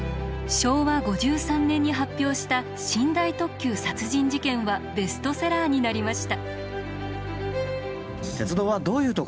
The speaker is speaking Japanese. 昭和５３年に発表した「寝台特急殺人事件」はベストセラーになりました。